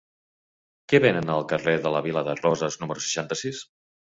Què venen al carrer de la Vila de Roses número seixanta-sis?